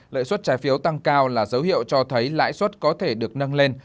lợi xuất trái phiếu tăng cao là dấu hiệu cho thấy lãi xuất có thể được nâng lên